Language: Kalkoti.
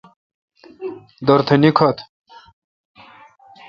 دورتھ نیکھوتہ